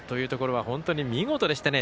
本当に見事でしたね。